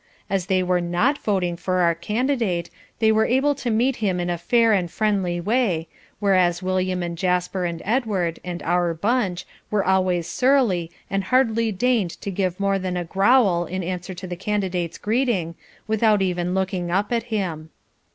As they were NOT voting for our candidate, they were able to meet him in a fair and friendly way, whereas William and Jasper and Edward and our "bunch" were always surly and hardly deigned to give more than a growl in answer to the candidate's greeting, without even looking up at him.